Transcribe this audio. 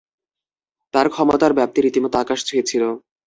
তার ক্ষমতার ব্যাপ্তি রীতিমত আকাশ ছুঁয়েছিল!